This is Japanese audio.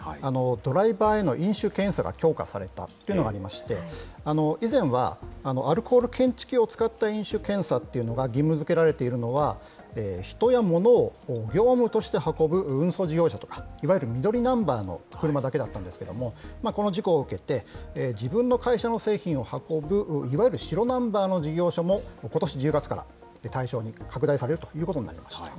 ドライバーへの飲酒検査が強化されたというのはありまして、以前はアルコール検知器を使った飲酒検査っていうのが、義務づけられているのは、人やものを業務として運ぶ運送事業者とか、いわゆる緑ナンバーの車だけだったんですけど、この事故を受けて、自分の会社の製品を運ぶいわゆる白ナンバーの事業所もことし１０月から対象に拡大されるということになりました。